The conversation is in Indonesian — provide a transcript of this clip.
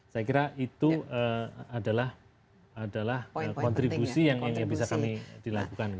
saya kira itu adalah kontribusi yang bisa kami dilakukan